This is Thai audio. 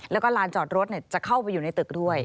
แล้วก็ลานจอดรถจะเข้าไปอยู่ในตึกด้วย